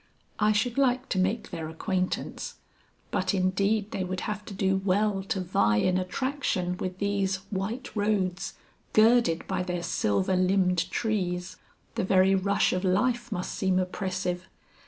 "I should like to make their acquaintance, but indeed they would have to do well to vie in attraction with these white roads girded by their silver limbed trees. The very rush of life must seem oppressive.